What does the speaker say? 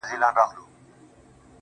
ستونزې ډېرېده اكثر.